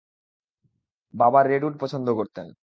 বাবা রেডউড পছন্দ করতেন।